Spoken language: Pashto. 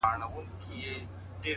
• تك سپين زړگي ته دي پوښ تور جوړ كړی ـ